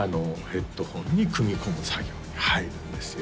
ヘッドホンに組み込む作業に入るんですよ